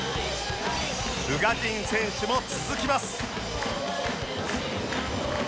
宇賀神選手も続きます